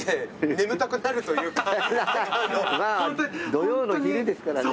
土曜の昼ですからね。